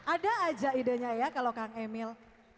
ada aja idenya ya kalau kang emil